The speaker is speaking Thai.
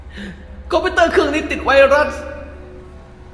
คอมพิวเตอร์เครื่องนี้ติดไวรัส